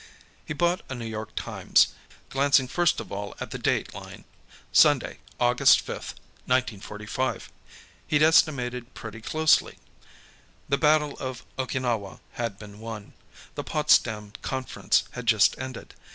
He bought a New York Times, glancing first of all at the date line. Sunday, August 5, 1945; he'd estimated pretty closely. The battle of Okinawa had been won. The Potsdam Conference had just ended.